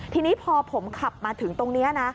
ทีนี้พอผมขับมาถึงตรงนี้นะ